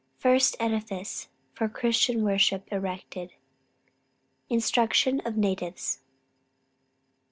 FIRST EDIFICE FOR CHRISTIAN WORSHIP ERECTED. INSTRUCTION OF NATIVES.